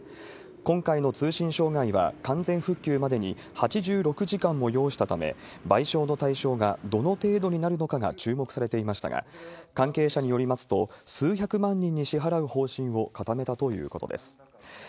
今回の通信障害は完全復旧までに８６時間も要したため、賠償の対象がどの程度になるのかが注目されていましたが、関係者によりますと、数百万人に支払う方針を固めたということです。